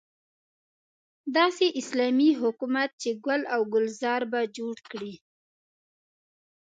داسې اسلامي حکومت چې ګل او ګلزار به جوړ کړي.